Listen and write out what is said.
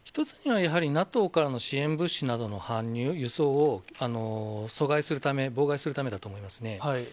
１つにはやはりＮＡＴＯからの支援物資などの搬入、輸送を阻害するため、妨害するためだと思いますね。